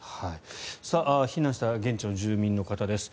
避難した現地の住民の方です。